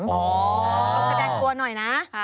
แสดงกลัวหน่อยนะ